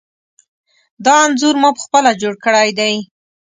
دا انځور ما پخپله جوړ کړی دی.